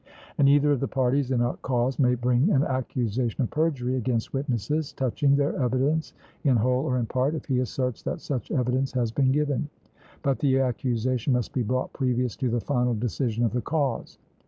And either of the parties in a cause may bring an accusation of perjury against witnesses, touching their evidence in whole or in part, if he asserts that such evidence has been given; but the accusation must be brought previous to the final decision of the cause.